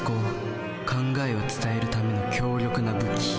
考えを伝えるための強力な武器。